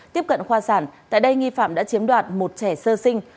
tiếp cận khoa sản tại đây nghi phạm đã chiếm đoạt một trẻ sơ sinh